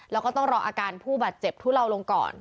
แล้วก็ต้องรออาการผู้บาดเจ็บทุเลาลงก่อน